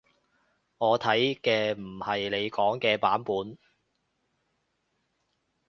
我睇嘅唔係你講嘅版本